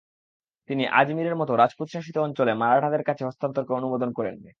তিনি আজমিরের মত রাজপুত-শাসিত অঞ্চল মারাঠাদের কাছে হস্তান্তরকে অনুমোদন করেননি।